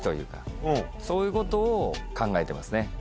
そういうことを考えてますね。